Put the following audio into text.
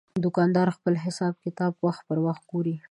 دوکاندار خپل حساب کتاب وخت پر وخت ګوري.